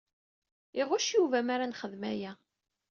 Iɣuc Yuba mi ara nxeddem aya.